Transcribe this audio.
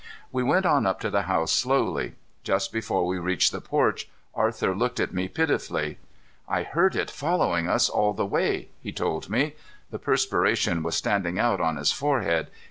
We went on up to the house slowly. Just before we reached the porch Arthur looked at me pitifully. "I heard it following us all the way," he told me. The perspiration was standing out on his forehead.